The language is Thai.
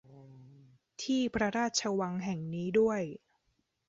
ที่พระราชวังแห่งนี้ด้วย